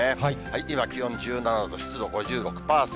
今、気温１７度、湿度５６％。